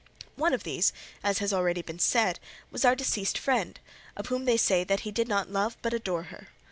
One of these, as has been already said, was our deceased friend, of whom they say that he did not love but adore her.